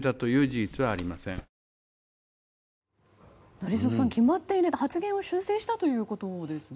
宜嗣さん決まっていないということは発言を修正したということですね。